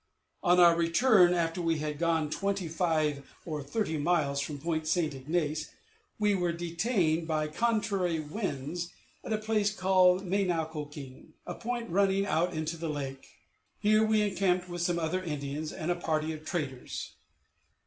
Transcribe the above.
On our return, after we had gone twenty five or thirty miles from Point St. Ignace, we were detained by contrary winds at a place called Me nau ko king, a point running out into the lake. Here we encamped with some other Indians, and a party of traders.